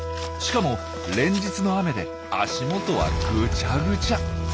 しかも連日の雨で足元はぐちゃぐちゃ。